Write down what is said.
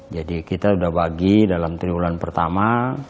jadi kita udah bagi dalam triwulan pertama